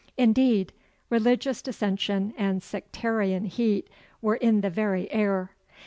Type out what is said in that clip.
Indeed, religious dissension and sectarian heat were in the very air.